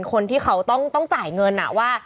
คนที่เขาต้องจ่ายเงินว่า